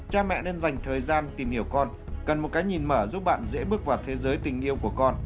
cha mẹ nên dành thời gian tìm hiểu con cần một cái nhìn mở giúp bạn dễ bước vào thế giới tình yêu của con